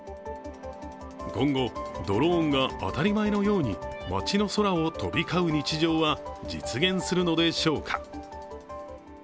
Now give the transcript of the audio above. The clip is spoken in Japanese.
今後、ドローンが当たり前のように街の空を飛び交う日常は実現するのでしょうか。